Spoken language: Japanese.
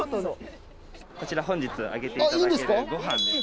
こちら本日あげていただけるごはんです。